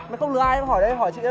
mày không lừa ai em hỏi đây hỏi chị em